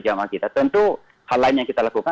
jamaah kita tentu hal lain yang kita lakukan